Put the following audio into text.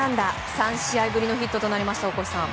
３試合ぶりのヒットとなりました大越さん。